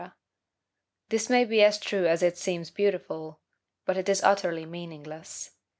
This may be as true as it seems beautiful; but it is utterly meaningless.